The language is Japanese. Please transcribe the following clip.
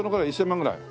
１０００万ぐらい？